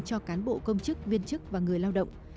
cho cán bộ công chức viên chức và người lao động